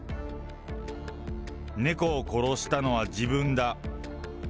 猫を殺したのは自分だ。